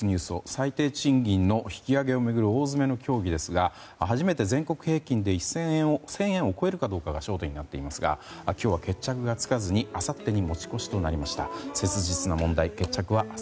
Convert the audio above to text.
最低賃金の引き上げを巡る大詰めの協議ですが初めて全国平均で１０００円を超えるかどうかが焦点になっていますが今日は決着がつかずにおっうまいねぇ。